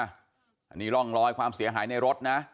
อันนี้ร่องรอยความเสียหายในรถนะ